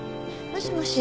もしもし。